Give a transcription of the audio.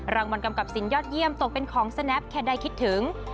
รางวัลกำกับสินยอดเยี่ยมตกเป็นของสแนปแค่ได้คิดถึง